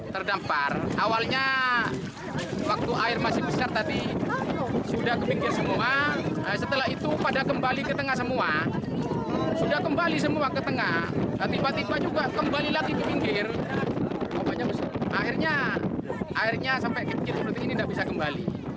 terdampar awalnya waktu air masih besar tadi sudah ke pinggir semua setelah itu pada kembali ke tengah semua sudah kembali semua ke tengah tiba tiba juga kembali lagi ke pinggir akhirnya airnya sampai kecil seperti ini tidak bisa kembali